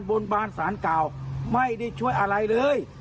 บนบานสารเก่าไม่ได้ช่วยอะไรเลย